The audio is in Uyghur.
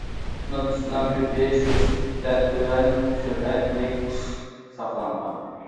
نوپۇسنىڭ كۆپىيىش نىسبىتىدە تۆۋەن سۈرئەتلىك ئېشىش ساقلانغان.